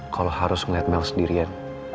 kalo harus ngeliat mel sendirian